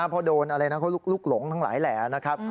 เพราะโดนอะไรนะเขาลุกหลงทั้งหลายแหล่นะครับ